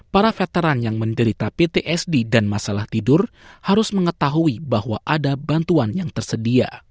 para veteran yang menderita ptsd dan masalah tidur harus mengetahui bahwa ada bantuan yang tersedia